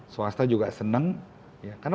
swasta juga seneng karena